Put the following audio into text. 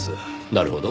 なるほど。